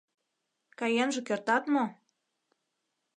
Каенже кертат мо?